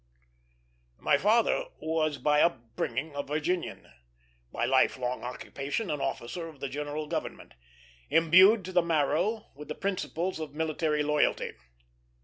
My father was by upbringing a Virginian; by life long occupation an officer of the general government, imbued to the marrow with the principles of military loyalty.